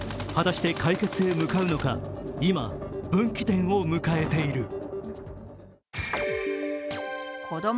果たして解決へ向かうのか、今、分岐点を迎えている。